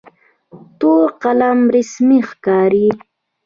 تور قلم رسمي ښکاري.